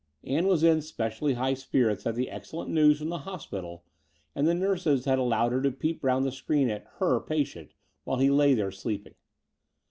Ann was in specially high spirits at the excellent news from the "hospital": and the nurses had allowed her to peep round the screen at "her" patient while he lay there sleeping.